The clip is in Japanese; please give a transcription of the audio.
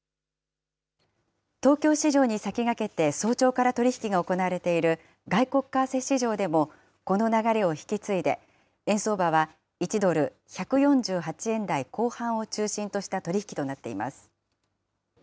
東京市場に先駆けて、早朝から取り引きが行われている外国為替市場でもこの流れを引き継いで、円相場は１ドル１４８円台後半を中心とした取り引きとなっています。